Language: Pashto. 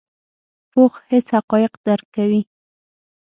پوخ حس حقایق درک کوي